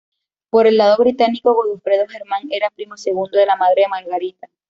Por el lado británico, Godofredo Germán era primo segundo de la madre de Margarita.